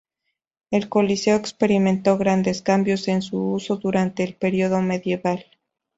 El Coliseo experimentó grandes cambios en su uso durante el periodo medieval.